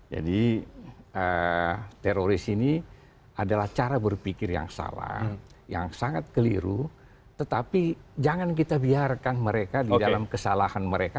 jadi teroris ini adalah cara berpikir yang salah yang sangat keliru tetapi jangan kita biarkan mereka di dalam kesalahan mereka